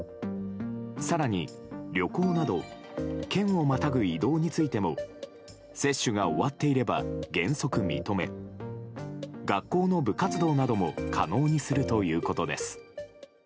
更に旅行など県をまたぐ移動についても接種が終わっていれば原則認め学校の部活動なども可能にするということです。